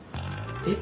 えっ？